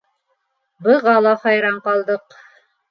Быға ла хайран ҡалдыҡ.